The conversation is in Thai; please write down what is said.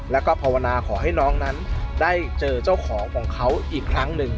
แล้วก็ภาวนาขอให้น้องนั้นได้เจอเจ้าของของเขาอีกครั้งหนึ่ง